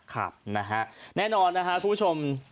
ครับนะฮะแน่นอนนะฮะคุณผู้ชม